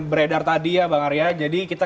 beredar tadi ya bang arya jadi kita